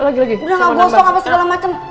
udah gak bosong apa segala macem